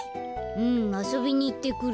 うんあそびにいってくる。